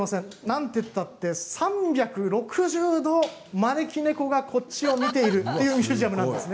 なんてったって３６０度招き猫がこちらを見ているというミュージアムなんです。